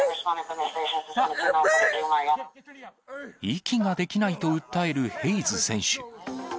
息ができないと訴えるヘイズ選手。